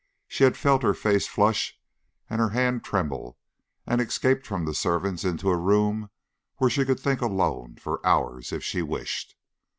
She had felt her face flush and her hand tremble, and escaped from the servants into a room where she could think alone for hours, if she wished.